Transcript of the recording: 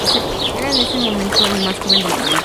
Era, en ese momento, el más joven del país.